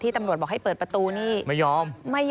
ตำรวจบอกให้เปิดประตูนี่ไม่ยอม